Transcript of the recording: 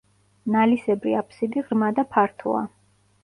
ნალისებრი აფსიდი ღრმა და ფართოა.